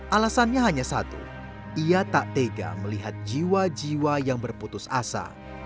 alasannya hanya satu ia tak tega melihat jiwa jiwa yang berputus asa